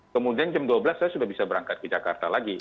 kemudian jam dua belas saya sudah bisa berangkat ke jakarta lagi